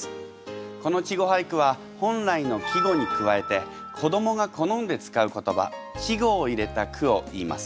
この「稚語俳句」は本来の季語に加えて子どもが好んで使う言葉稚語を入れた句をいいます。